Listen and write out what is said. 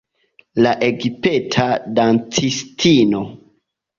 La egipta dancistino.